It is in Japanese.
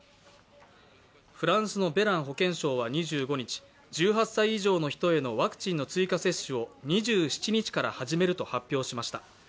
フランスのベラン保健相は２５日、１８歳以上の人へのワクチンの追加接種を２７日から始めると発表しました。